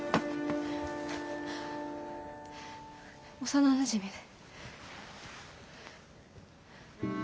幼なじみで。